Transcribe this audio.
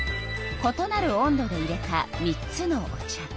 ことなる温度でいれた３つのお茶。